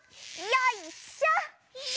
よいしょ！